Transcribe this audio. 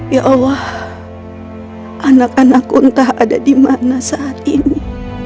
ya allah anak anakku entah ada di makna saat ini